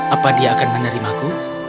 apa dia akan menerimaku